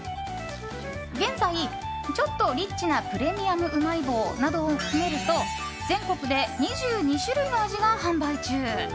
現在、ちょっとリッチなプレミアムうまい棒なども含めると全国で２２種類の味が販売中。